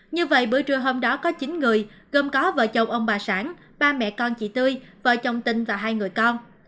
như vậy bữa trưa hôm đó có chín người gồm có vợ chồng ông bà sản ba mẹ con chị tươi vợ chồng tinh và hai người con